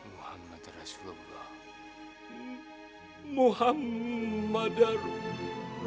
kanjeng sunan datang